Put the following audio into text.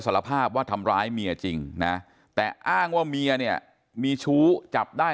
สารภาพว่าทำร้ายเมียจริงนะแต่อ้างว่าเมียเนี่ยมีชู้จับได้